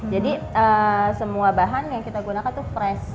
jadi semua bahan yang kita gunakan itu fresh